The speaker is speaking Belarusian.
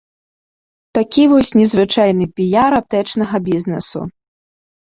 Такі вось незвычайны піяр аптэчнага бізнэсу.